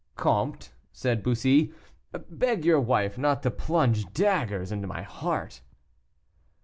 "Comte," said Bussy, "beg your wife not to plunge dagger in my heart."